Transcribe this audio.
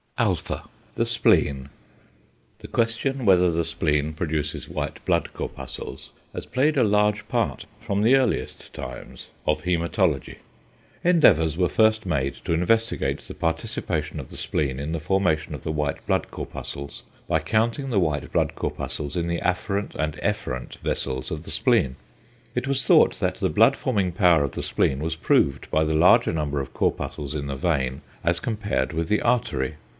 [alpha]. The Spleen. The question whether the ~spleen~ produces white blood corpuscles has played a large part from the earliest times of hæmatology. Endeavours were first made to investigate the participation of the spleen in the formation of the white blood corpuscles by counting the white corpuscles in the afferent and efferent vessels of the spleen. It was thought that the blood forming power of the spleen was proved by the larger number of corpuscles in the vein as compared with the artery.